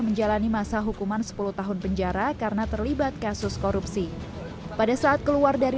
menjalani masa hukuman sepuluh tahun penjara karena terlibat kasus korupsi pada saat keluar dari